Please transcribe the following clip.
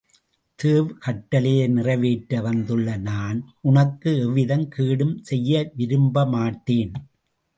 தேவ கட்டளையை நிறைவேற்ற வந்துள்ள நான் உனக்கு எவ்விதக் கேடும் செய்ய விரும்பமாட்டேன்.